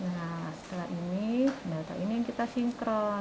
nah setelah ini data ini yang kita sinkron